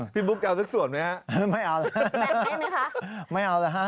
พี่ปุ๊บจะเอาสักส่วนไหมครับแปลกได้ไหมคะไม่เอาละครับ